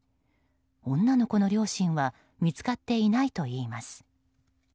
女の子の両親は見つかっていないといいます。